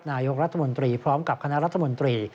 นายกรัฐมนตรีพร้อมกับคณะรัฐมนตรี